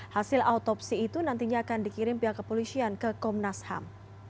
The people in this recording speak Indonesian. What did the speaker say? hasil autopsi itu nantinya akan dikirim pihak kepolisian ke komnas ham